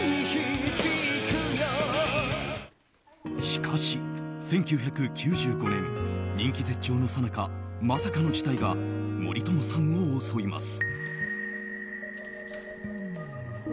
しかし１９９５年人気絶頂のさなかまさかの事態が森友さんを襲います。